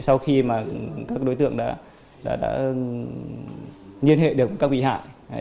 sau khi các đối tượng đã liên hệ được với các bị hại